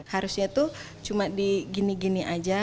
harusnya tuh cuma di gini gini aja